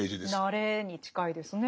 慣れに近いですね。